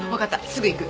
すぐ行く。